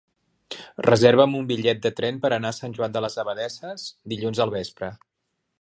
Reserva'm un bitllet de tren per anar a Sant Joan de les Abadesses dilluns al vespre.